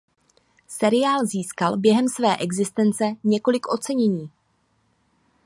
Seriál získal během své existence několik ocenění.